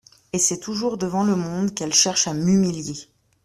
Et c’est toujours devant le monde, Qu’elle cherche à m’humilier !